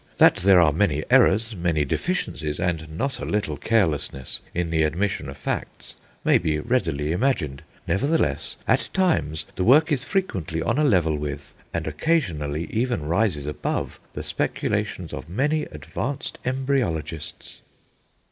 That there are many errors, many deficiencies, and not a little carelessness in the admission of facts, may be readily imagined; nevertheless at times the work is frequently on a level with, and occasionally even rises above, the speculations of many advanced embryologists."